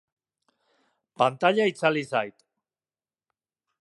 Pantaila itzali zait.